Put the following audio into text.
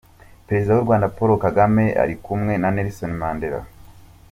Perezida w’u Rwanda Paul Kagame ari kumwe na Nelson Mandela.